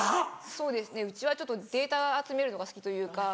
そうですねうちはちょっとデータ集めるのが好きというか。